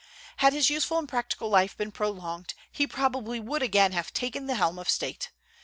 Had his useful and practical life been prolonged, he probably would again have taken the helm of state.